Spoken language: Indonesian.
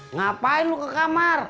ngapain lu ke kamar